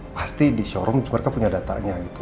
pasti di showroom mereka punya datanya gitu